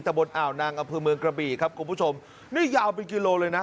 บนอ่าวนางอำเภอเมืองกระบี่ครับคุณผู้ชมนี่ยาวเป็นกิโลเลยนะ